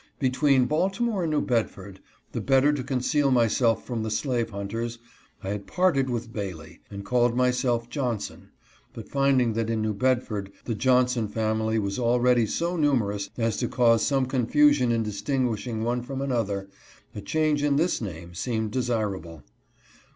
Between Baltimore and New Bedford, the better to conceal my self from the slave hunters, I had parted with Bailey and oalled myself Johnson ; but finding that in New Bedford the Johnson family was already so numerous as to cause some confusion in distinguishing one from another, a change in this name seemed desirable.